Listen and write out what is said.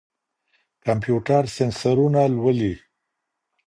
کمپيوټر سېنسرونه لولي.